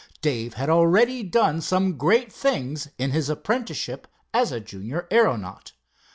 Dave had already done some great things in his apprenticeship as a junior aeronaut.